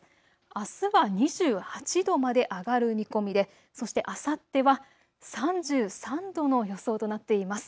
あすは２８度まで上がる見込みでそして、あさっては３３度の予想となっています。